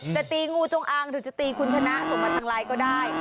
ตีงูจงอางหรือจะตีคุณชนะส่งมาทางไลน์ก็ได้